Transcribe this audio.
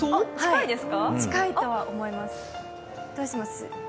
近いとは思います。